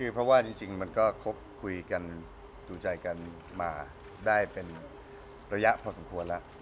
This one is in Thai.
เพราะว่าจริงมันก็คบคุยกันดูใจกันมาได้เป็นระยะพอสมควรแล้ว